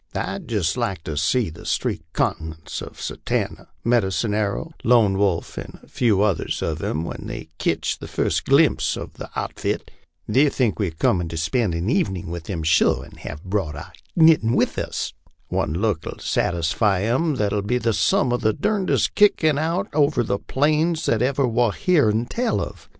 " Pd jist like to see the streaked countenances of Satanta, Medicine Arrow, Lone Wolf, and a few others of 'em, when they ketch the fust glimpse of the outfit. They'll think we're comin' to spend an evenin' with 'em sure, and hev brought our knittin' with us. One look '11 satisfy 'em thar '11 be sum of the durndest kickin' out over these plains that ever war heern tell uv.